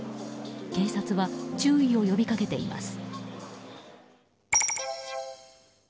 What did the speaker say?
警察は注意を呼び掛けています。